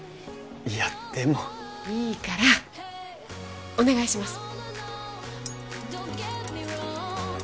いやでもいいからお願いします